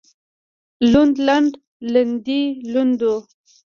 لوند لنده لندې لندو